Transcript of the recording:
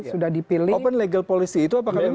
sudah dipilih open legal policy itu